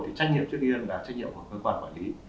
thì trách nhiệm trước tiên là trách nhiệm của cơ quan quản lý